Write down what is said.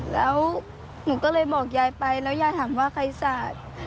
แล้วหนูก็เลยบอกยายไปแล้วยายถามว่าใครสาด